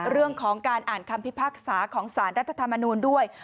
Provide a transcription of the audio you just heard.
เรื่องของการอ่านคำพิพากษาของสารรัฐธรรมนูลด้วย